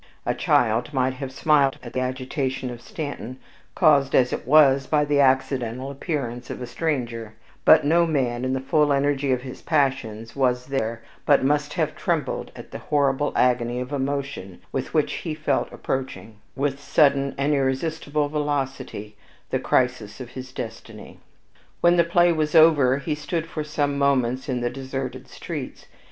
A child might have smiled at the agitation of Stanton, caused as it was by the accidental appearance of a stranger; but no man, in the full energy of his passions, was there, but must have trembled at the horrible agony of emotion with which he felt approaching, with sudden and irresistible velocity, the crisis of his destiny. When the play was over, he stood for some moments in the deserted streets.